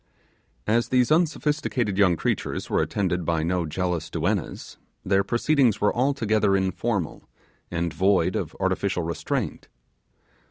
As these unsophisticated young creatures were attended by no jealous duennas, their proceedings were altogether informal, and void of artificial restraint.